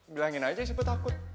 bilangin aja si petakut